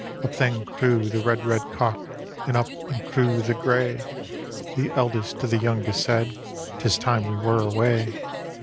Up then crew the red, red cock, And up and crew the gray ; The eldest to the youngest said, " 'Tis time we were away.